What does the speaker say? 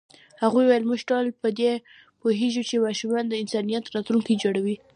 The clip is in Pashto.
هغې وویل موږ ټول په دې پوهېږو چې ماشومان د انسانیت راتلونکی جوړوي.